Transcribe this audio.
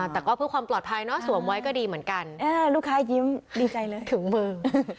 แต่ก็เพื่อความปลอดภัยเนาะสวมไว้ก็ดีเหมือนกันลูกค้ายิ้มดีใจเลยถึงมือ